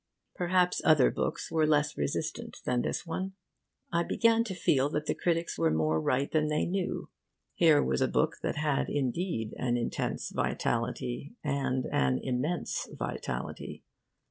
Perhaps other books were less resistant than this one? I began to feel that the critics were more right than they knew. Here was a book that had indeed an intense vitality, and an immense vitality.